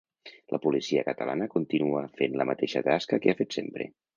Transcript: La policia catalana continua fent la mateixa tasca que ha fet sempre.